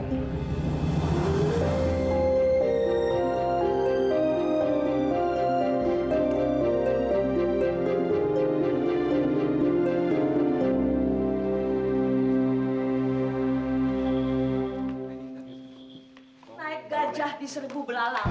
naik gajah di serbu belalang